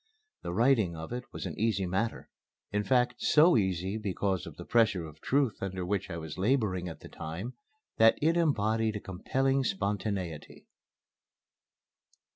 The writing of it was an easy matter; in fact, so easy, because of the pressure of truth under which I was laboring at the time, that it embodied a compelling spontaneity.